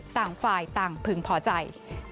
ต่างฝ่ายต่างพึงพอใจ